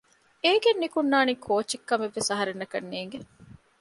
އޭގެން ނުކުންނާނީ ކޯއްޗެއް ކަމެއްވެސް އަހަރެންނަކަށް ނޭނގެ